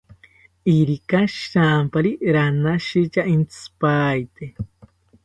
Irika shirampari ranashita intzipaete